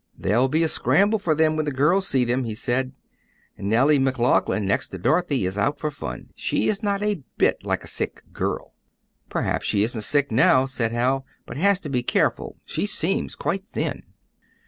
"There'll be a scramble for them when the girls see them," he said. "Nellie McLaughlin, next to Dorothy, is out for fun. She is not a bit like a sick girl." "Perhaps she isn't sick now," said Hal, "but has to be careful. She seems quite thin."